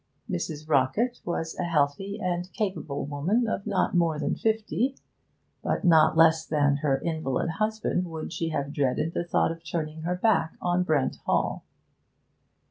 Mrs. Rockett was a healthy and capable woman of not more than fifty, but no less than her invalid husband would she have dreaded the thought of turning her back on Brent Hall.